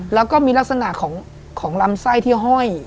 แล้วก็มีลักษณะของลำไส้ที่ห้อย